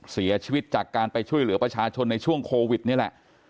เสียชีวิตจากการไปช่วยเหลือประชาชนในช่วงโควิดนี่แหละ